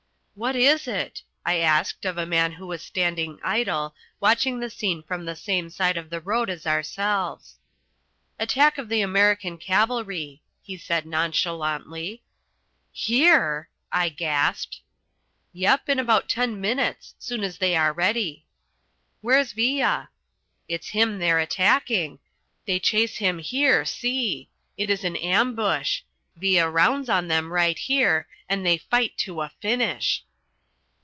"What is it?" I asked of a man who was standing idle, watching the scene from the same side of the road as ourselves. "Attack of American cavalry," he said nonchalantly. "Here!" I gasped. "Yep, in about ten minutes: soon as they are ready." "Where's Villa?" "It's him they're attacking. They chase him here, see! This is an ambush. Villa rounds on them right here, and they fight to a finish!"